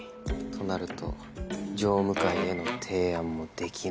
となると常務会への提案もできないか。